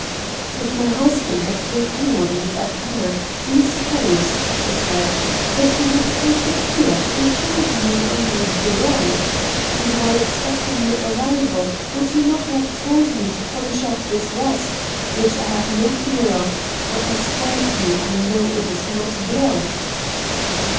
" If my husband had killed any one with that hammer, do you suppose," she said, " that he would have placed it there in full view on my bureau ? And, while expecting your arrival, would he not have told me to polish off this rust, which I have no fear of, for I swear to you I know it is not blood